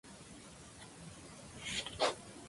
El líder del equipo es el ex-corredor Aki Ajo.